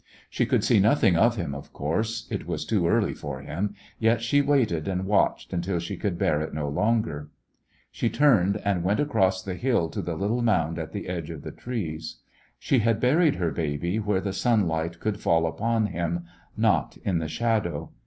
She could see nothing of him, of course, it was too early for him, yet she waited and watched until she could bear it no longer. She turned and went across the hill A Christmas When to the little mound at the edge of the trees. She had buried her baby where the sunlight could fall upon him^ not in the shadow.